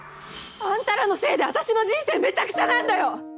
あんたらのせいで私の人生めちゃくちゃなんだよ！